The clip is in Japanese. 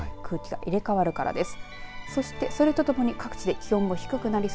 空気が入れ替わるからです。